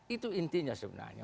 itu intinya sebenarnya